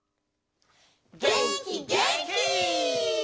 げんきげんき！